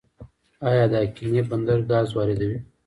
آیا د اقینې بندر ګاز واردوي؟